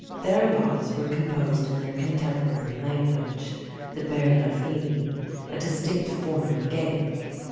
Their laws were composed in their contemporary language, the Bearla Féini, a distinct form of Gaelic.